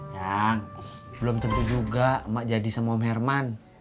yang belum tentu juga emak jadi sama om herman